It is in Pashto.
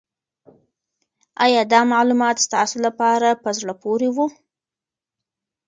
آیا دا معلومات ستاسو لپاره په زړه پورې وو؟